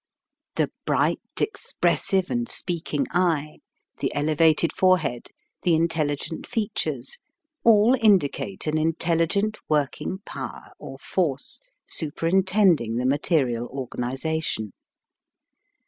The bright, expressive and speak ing eye; the elevated forehead; the in telligent features; all indicate an intel ligent working power or force super intending the material organization.